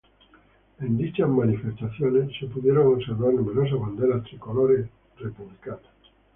En dichas manifestaciones se pudieron observar numerosas banderas tricolores republicanas.